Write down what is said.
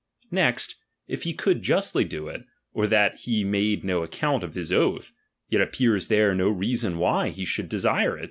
Next, if he could justly do it, or that he made no account of his oath, yet appears there no rea son why he should desire it, since he finds no good in it.